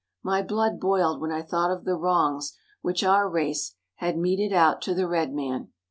My blood boiled when I thought of the wrongs which our race had meted out to the red man.